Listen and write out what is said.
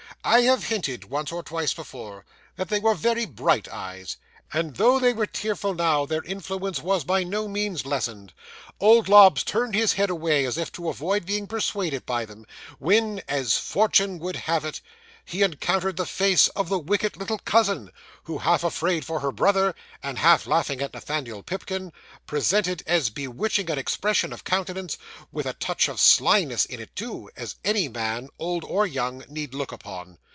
I have hinted once or twice before, that they were very bright eyes, and, though they were tearful now, their influence was by no means lessened. Old Lobbs turned his head away, as if to avoid being persuaded by them, when, as fortune would have it, he encountered the face of the wicked little cousin, who, half afraid for her brother, and half laughing at Nathaniel Pipkin, presented as bewitching an expression of countenance, with a touch of slyness in it, too, as any man, old or young, need look upon.